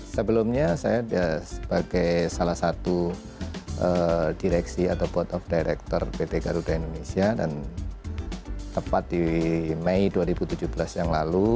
sebelumnya saya sebagai salah satu direksi atau board of director pt garuda indonesia dan tepat di mei dua ribu tujuh belas yang lalu